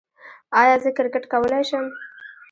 ایا زه کرکټ کولی شم؟